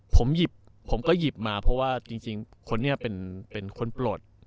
ผมหยิบผมก็หยิบมาเพราะว่าจริงคนนี้เป็นคนปลด